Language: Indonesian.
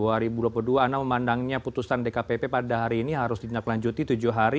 anda memandangnya putusan dkpp pada hari ini harus ditindaklanjuti tujuh hari